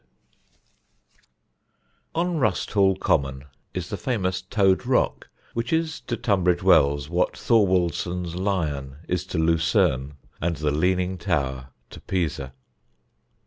[Sidenote: ROCKS] On Rusthall Common is the famous Toad Rock, which is to Tunbridge Wells what Thorwaldsen's lion is to Lucerne, and the Leaning Tower to Pisa.